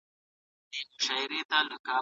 آیفون یې په لاس کې ونیوه او په سکرین یې وکتل.